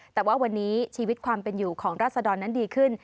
แต่ว่าวันนี้ชีวิตความเป็นอยู่ของราศดรนั้นดีขึ้น